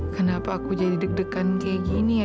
kenapa aku jadi deg degan kayak gini ya